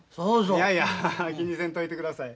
いやいや気にせんといてください。